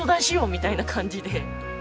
みたいな感じで。